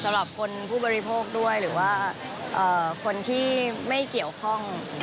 สำหรับคนผู้บริโภคด้วยหรือว่าคนที่ไม่เกี่ยวข้อง